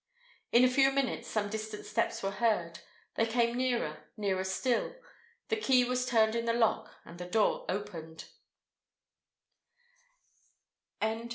In a few minutes some distant steps were heard; they came nearer, nearer still; the key was turned in the lock, and the door opened.